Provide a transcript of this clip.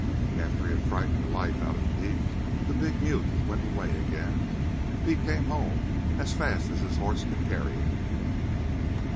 After he'd frightened the life out of Pete the big mute went away again, and Pete came home as fast as his horse could carry him."